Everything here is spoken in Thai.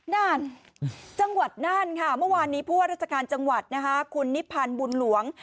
นั่นจังหวัดน่านค่ะเมื่อวานนี้ผู้ว่าราชการจังหวัดนะคะคุณนิพันธ์บุญหลวง